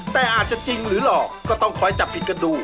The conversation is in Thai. แต่อาจจะจริงหรือหลอกก็ต้องคอยจับผิดกันดู